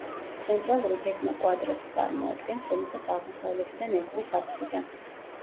ცენტრალური გეგმა კვადრატს წარმოადგენს, რომელსაც აღმოსავლეთიდან ეკვრის აფსიდა.